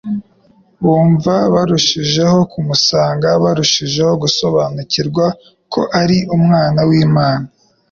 bumva barushijeho kumusanga. Barushijeho gusobanukirwa ko ari Umwana w'Imana.